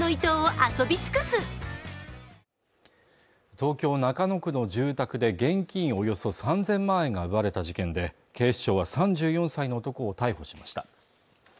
東京・中野区の住宅で現金およそ３０００万円が奪われた事件で警視庁は３４歳の男を逮捕しました